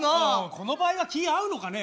この場合は気ぃ合うのかね？